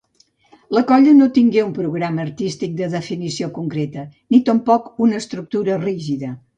La colla no tingué un programa artístic de definició concreta ni tampoc una estructura rígida.